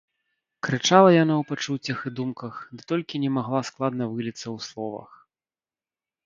Крычала яна ў пачуццях і думках, ды толькі не магла складна выліцца ў словах.